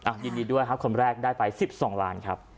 อ่ายินดีด้วยครับคนแรกได้ไฟล์สิบสองล้านครับ